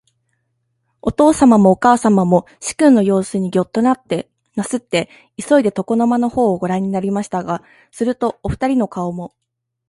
おとうさまもおかあさまも、始君のようすにギョッとなすって、いそいで、床の間のほうをごらんになりましたが、すると、おふたりの顔も、